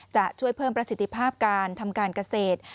จะช่วยเพิ่มประสิทธิภาพการทำการเกษตร